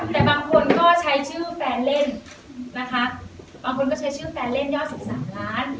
แต่บางคนก็ใช้ชื่อแฟนเล่นนะคะบางคนก็ใช้ชื่อแฟนเล่นยอด๑๓ล้าน